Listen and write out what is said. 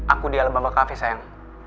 aku di alam bangga kafe sayang